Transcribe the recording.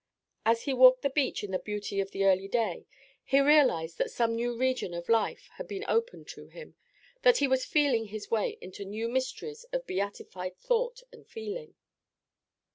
As he walked the beach in the beauty of the early day, he realized that some new region of life had been opened to him, that he was feeling his way into new mysteries of beatified thought and feeling.